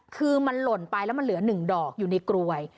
คือมันหล่นไปแล้วมันเหลือ๑ดอกอยู่ในกรวย